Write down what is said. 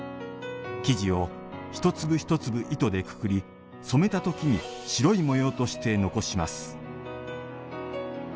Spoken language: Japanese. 生地を一粒一粒糸でくくり染めた時に白い模様として残します。